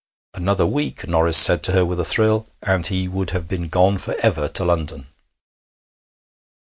Another week, Norris said to her with a thrill, and he would have been gone for ever to London.